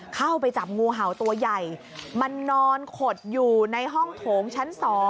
เข้าไปจับงูเห่าตัวใหญ่มันนอนขดอยู่ในห้องโถงชั้น๒